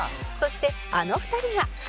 そしてあの２人が